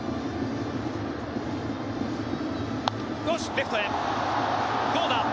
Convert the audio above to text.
レフトへ、どうだ？